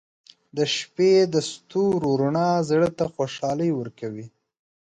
• د شپې د ستورو رڼا زړه ته خوشحالي ورکوي.